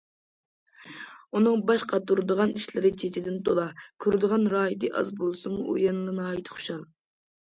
ئۇنىڭ باش قاتۇرىدىغان ئىشلىرى چېچىدىن تولا، كۆرىدىغان راھىتى ئاز بولسىمۇ، ئۇ يەنىلا ناھايىتى خۇشال.